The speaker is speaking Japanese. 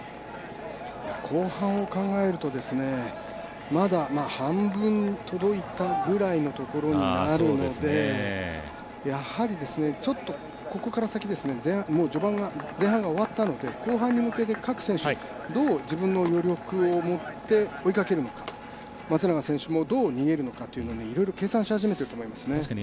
後半を考えると、まだ半分届いたぐらいのところになるのでやはりここから先、序盤前半が終わったので後半に向けて各選手どう、自分の余力を持って追いかけるのか、松永選手もどう逃げるのかというのをいろいろ計算し始めていると思いますね。